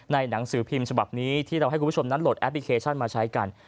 หนังสือพิมพ์ฉบับนี้ที่เราให้คุณผู้ชมนั้นโหลดแอปพลิเคชันมาใช้กัน